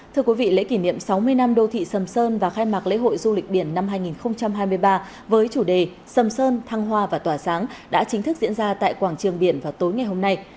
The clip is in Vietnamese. thưa quý vị lễ kỷ niệm sáu mươi năm đô thị sầm sơn và khai mạc lễ hội du lịch biển năm hai nghìn hai mươi ba với chủ đề sầm sơn thăng hoa và tỏa sáng đã chính thức diễn ra tại quảng trường biển vào tối ngày hôm nay